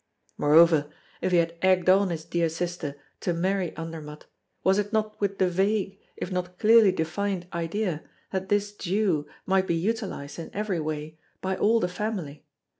Moreover, if he had egged on his dear sister to marry Andermatt was it not with the vague, if not clearly defined, idea that this Jew might be utilized, in every way, by all the family?